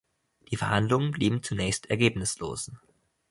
Die Verhandlungen blieben zunächst ergebnislos.